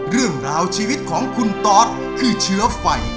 เรื่องราวชีวิตของคุณตอสคือเชื้อไฟ